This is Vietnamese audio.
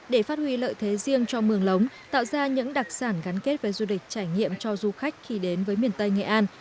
để phát huy lợi thế riêng cho mường lống tạo ra những đặc sản gắn kết với du lịch trải nghiệm cho du khách khi đến với miền tây nghệ an